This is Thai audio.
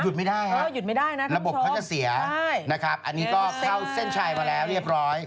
ไม่ได้ฮะระบบเขาจะเสียนะครับอันนี้ก็เข้าเส้นชัยมาแล้วเรียบร้อย